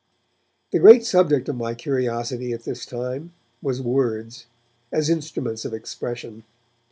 The great subject of my curiosity at this time was words, as instruments of expression.